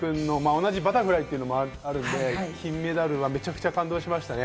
同じバタフライというのもあるので金メダルがめちゃくちゃ感動しましたね。